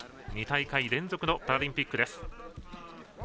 ２大会連続のパラリンピックです。